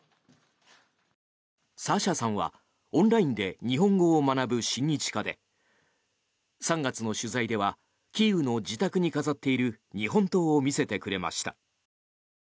サシャさんはオンラインで日本語を学ぶ親日家で３月の取材ではキーウの自宅に飾っている日本刀を見せてくれました。